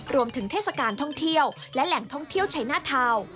รวมถึงเทศการท่องเที่ยวและแหล่งท่องเที่ยวใช้หน้าทาว